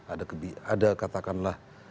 ada kebih ada katakanlah